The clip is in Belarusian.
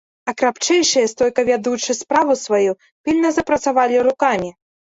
А крапчэйшыя, стойка ведучы справу сваю, пільна запрацавалі рукамі.